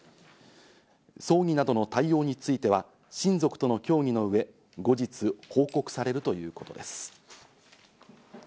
葬儀などの対応については、親族との協議の上、後日報告されるということです。